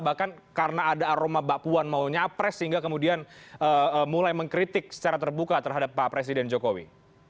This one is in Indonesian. bahkan karena ada aroma bakpuan maunya pres sehingga kemudian mulai mengkritik secara terbuka terhadap pak presiden jokowi